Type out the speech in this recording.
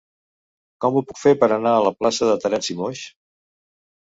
Com ho puc fer per anar a la plaça de Terenci Moix?